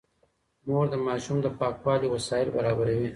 مور د ماشوم د پاکۍ وسايل برابروي.